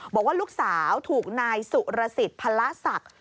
บอกว่าลูกสาวถูกนายสุรสิทธิ์พละศักดิ์